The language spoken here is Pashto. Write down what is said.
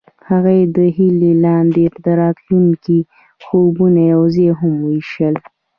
هغوی د هیلې لاندې د راتلونکي خوبونه یوځای هم وویشل.